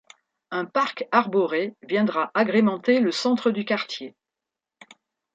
Un parc arboré viendra agrémenter le centre du quartier.